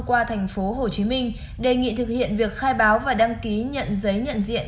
qua tp hcm đề nghị thực hiện việc khai báo và đăng ký nhận giấy nhận diện